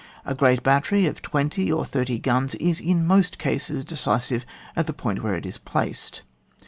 A great battery of twenty or thirty guns is in most cases decisive at the point where it is placed.